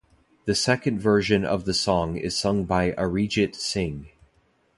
The second version of the song is sung by Arijit Singh.